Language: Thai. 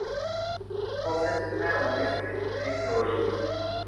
โปรเฟสชั่นแนล เวสต์ เทคโนโลยี